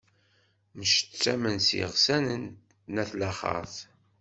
Mcettamen s yiɣsan n at laxert.